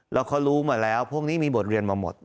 แล้วเขารู้มาแล้วพวกนี้มีบทเรียนมาหมด